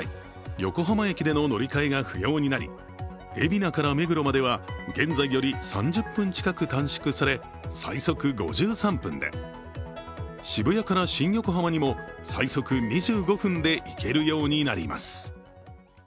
横浜駅での乗り換えが不要になり海老名から目黒までは現在より３０分近く短縮され最速５３分で、渋谷から新横浜にも最速２５分で行けるようになります。